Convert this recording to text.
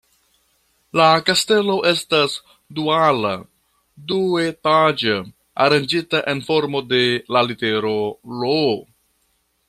La kastelo estas duala, duetaĝa, aranĝita en formo de la litero "L".